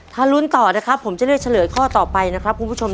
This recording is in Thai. ถ้าลุ้นต่อนะครับผมจะเลือกเฉลยข้อต่อไปนะครับคุณผู้ชม